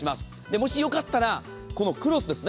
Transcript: もしよかったら、このクロスです。